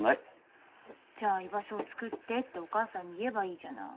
じゃあ居場所を作ってってお母さんに言えばいいじゃない。